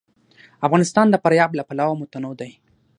افغانستان د فاریاب له پلوه متنوع دی.